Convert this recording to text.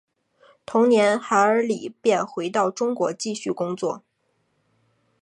同年韩尔礼便回到中国继续工作。